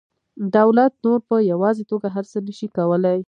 دولت نور په یوازې توګه هر څه نشي کولی